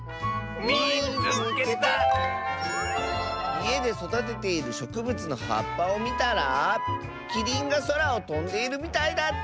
「いえでそだてているしょくぶつのはっぱをみたらキリンがそらをとんでいるみたいだった！」。